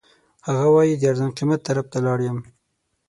هغه وایي د ارزان قیمت طرف ته لاړ یم.